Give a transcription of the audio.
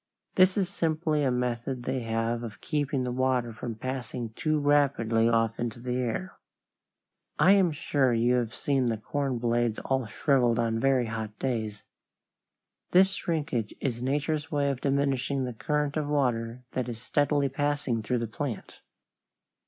This is simply a method they have of keeping the water from passing too rapidly off into the air. I am sure you have seen the corn blades all shriveled on very hot days. This shrinkage is nature's way of diminishing the current of water that is steadily passing through the plant.